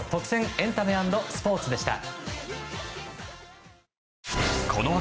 エンタメ＆スポーツでした。